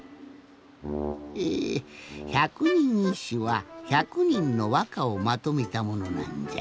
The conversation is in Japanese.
ええひゃくにんいっしゅはひゃくにんのわかをまとめたものなんじゃ。